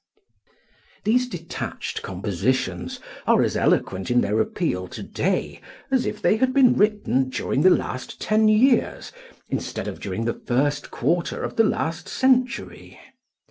These detached compositions are as eloquent in their appeal to day as if they had been written during the last ten years instead of during the first quarter of the last century.